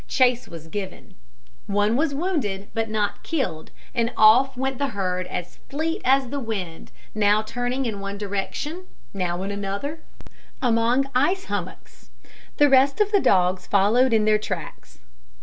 Chase was given. One was wounded, but not killed, and off went the herd as fleet as the wind, now turning in one direction, now in another, among the ice hummocks. The rest of the dogs followed in their tracks.